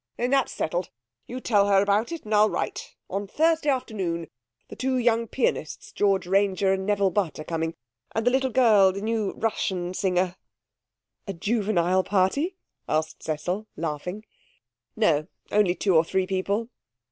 'Then that's settled. You tell her about it, and I'll write. On Thursday afternoon. The two young pianists, George Ranger and Nevil Butt, are coming, and the little girl, the new Russian singer.' 'A juvenile party?' asked Cecil, laughing. 'No, only two or three people.'